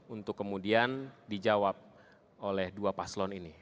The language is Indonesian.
untuk kemudian dijawab oleh dua paslon ini